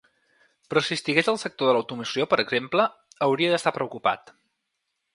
Però si estigués al sector de l’automoció, per exemple, hauria d’estar preocupat.